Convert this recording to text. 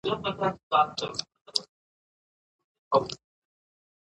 سیاسي پوهاوی راتلونکی روښانوي